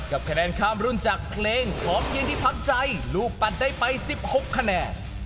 คะแนนข้ามรุ่นจากเพลงของทีมที่ทำใจลูกปัดได้ไป๑๖คะแนน